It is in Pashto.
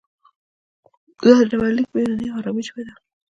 دا ډبرلیک په یوناني او ارامي ژبه دی